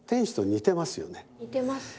似てます。